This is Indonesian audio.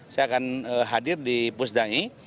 saya akan hadir di pusdani